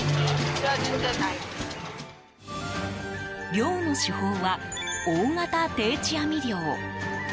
漁の手法は、大型定置網漁。